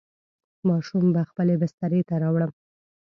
ماشوم به خپلې بسترې ته راوړم.